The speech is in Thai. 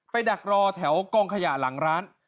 ดักรอแถวกองขยะหลังร้าน